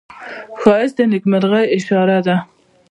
ښایست د نیکمرغۍ اشاره ده